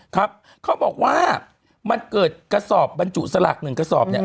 ครับเขาบอกว่ามันเกิดกระสอบบรรจุสลากหนึ่งกระสอบเนี่ย